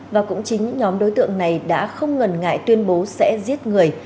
và cũng chính những nhóm đối tượng này đã không ngần ngại tuyên bố sẽ giết người